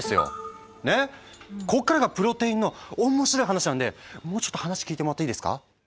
こっからがプロテインの面白い話なんでもうちょっと話聞いてもらっていいですか？